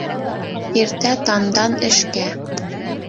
Иртә тандан эшкә.